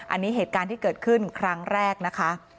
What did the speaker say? อันนี้เหตุการณ์ที่เกิดขึ้นครั้งแรกนะคะ